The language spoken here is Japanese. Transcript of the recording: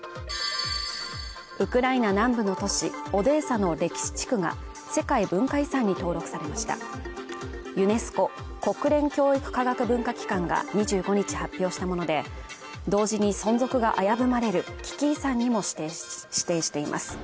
ウクライナ南部の都市オデーサの歴史地区が世界文化遺産に登録されましたユネスコ＝国連教育科学文化機関が２５日発表したもので同時に存続が危ぶまれる危機遺産にも指定しています